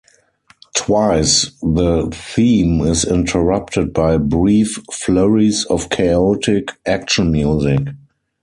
Twice, the theme is interrupted by brief flurries of chaotic "action music".